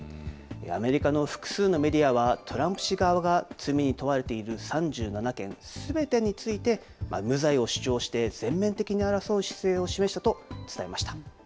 アメリカの複数のメディアは、トランプ氏側が罪に問われている３７件すべてについて、無罪を主張して全面的に争う姿勢を示したと伝えました。